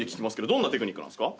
どんなテクニックなんですか？